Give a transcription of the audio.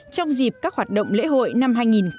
trong dịp các hoạt động lễ hội năm hai nghìn một mươi bảy